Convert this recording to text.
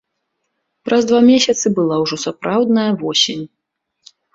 Праз два месяцы была ўжо сапраўдная восень.